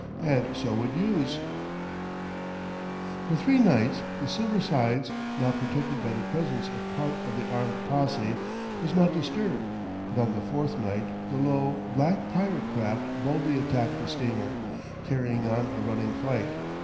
And so would youse." For three nights the Silver Sides, now protected by the presence of part of the armed posse, was not disturbed, but on the fourth night the low, black pirate craft boldly attacked the steamer, carrying on a running fight.